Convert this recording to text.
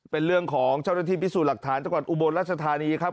เป็นเรื่องของเจ้าหน้าที่พิสูจน์หลักฐานจังหวัดอุบลรัชธานีครับ